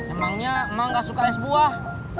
emangnya emang gak suka es buah